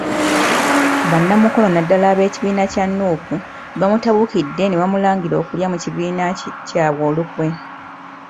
Bannamukono naddala ab'ekibiina kya Nuupu baamutabukidde ne bamulangira okulya mu kibiina kyabwe olukwe.